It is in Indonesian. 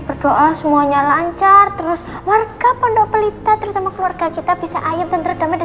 berdoa semuanya lancar terus warga pondok pelita terutama keluarga kita bisa ayam tentara dan